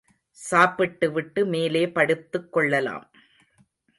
சாப்பிட்டு விட்டு மேலே படுத்துக் கொள்ளலாம்.